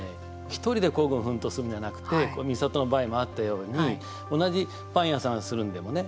一人で孤軍奮闘するんじゃなくて美郷の場合もあったように同じパン屋さんするんでもね